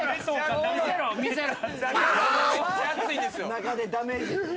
中でダメージ。